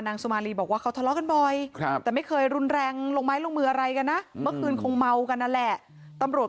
นางสุมารีบอกเค้าทะเลาะกันบ่อย